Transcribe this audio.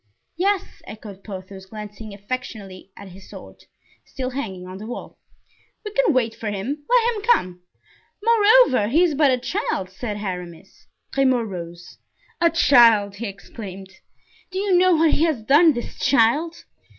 "Yes," echoed Porthos, glancing affectionately at his sword, still hanging on the wall; "we can wait for him; let him come." "Moreover, he is but a child," said Aramis. Grimaud rose. "A child!" he exclaimed. "Do you know what he has done, this child?